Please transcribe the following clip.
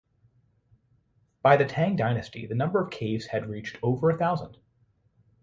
By the Tang Dynasty, the number of caves had reached over a thousand.